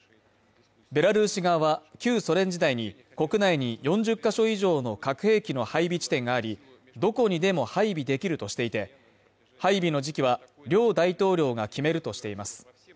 ベラルーシ側、旧ソ連時代に国内に４０か所以上の核兵器の配備地点があり、どこにでも配備できるとしていて、配備の時期は、両大統領が決めるとしています。